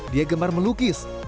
dia gemar melukis